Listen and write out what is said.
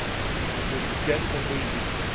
with gentle breezes from S.